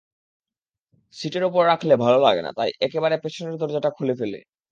সিটের ওপর রাখলে ভালো লাগে না, তাই একেবারে পেছনের দরজাটা খুলে ফেলে।